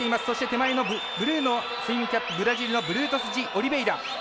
手前のブルーのスイミングキャップ、ブラジルのブルートスジオリベイラ。